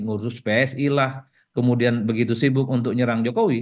ngurus psi lah kemudian begitu sibuk untuk nyerang jokowi